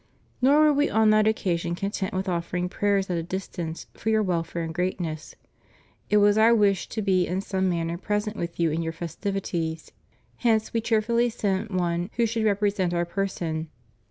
Nor were We on that occasion content with offering prayers at a distance for your welfare and greatness. It was Our wish to be in some manner present with you in your festivities. Hence We cheerfully sent one who should represent Our person.